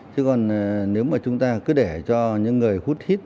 chứ còn nếu mà chúng ta cứ để cho những người hút hít